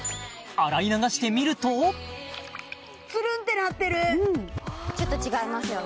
洗い流してみるとちょっと違いますよね